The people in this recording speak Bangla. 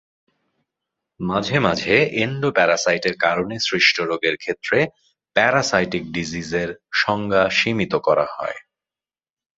মাঝে মাঝে এন্ডোপ্যারাসাইটের কারণে সৃষ্ট রোগের ক্ষেত্রে "প্যারাসাইটিক ডিজিজ" এর সংজ্ঞা সীমিত করা হয়।